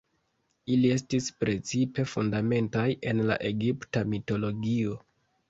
Ili estis precipe fundamentaj en la egipta mitologio.